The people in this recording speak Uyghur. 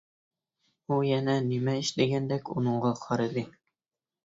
ئۇ يەنە نېمە ئىش دېگەندەك ئۇنىڭغا قارىدى.